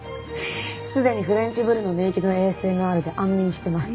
すでにフレンチブルの寝息のＡＳＭＲで安眠してます。